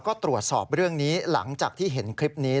ก็ตรวจสอบเรื่องนี้หลังจากที่เห็นคลิปนี้